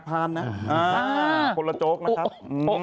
ออกมาไปอ่ะคนละเจ็ดหักพรานนะ